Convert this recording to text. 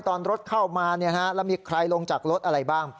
ตอนรถเข้ามาแล้วมีใครลงจากรถอะไรบ้าง